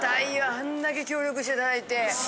あんだけ協力していただいて。